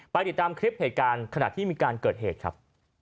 ติดตามคลิปเหตุการณ์ขณะที่มีการเกิดเหตุครับ